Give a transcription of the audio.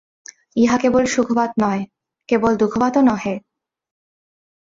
ইহা কেবল সুখবাদ নহে, কেবল দুঃখবাদও নহে।